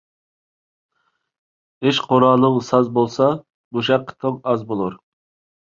ئىش قۇرالىڭ ساز بولسا، مۇشەققىتىڭ ئاز بولار.